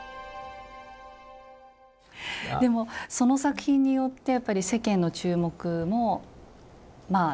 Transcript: でもその作品によってやっぱり世間の注目も高まっていく。